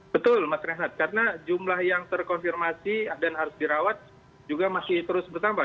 betul mas renhat karena jumlah yang terkonfirmasi dan harus dirawat juga masih terus bertambah